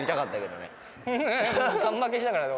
ガン負けしたからね